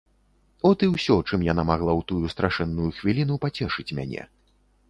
От і ўсё, чым яна магла ў тую страшэнную хвіліну пацешыць мяне.